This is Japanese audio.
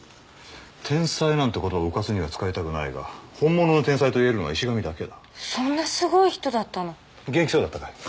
天才なんて言葉は迂闊には使いたくないが本物の天才と言えるのは石神だけだそんなすごい人だったの元気そうだったかい？